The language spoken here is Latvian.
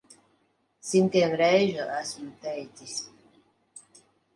Simtiem reižu esmu teicis.